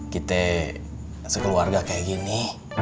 kita sekeluarga kayak gini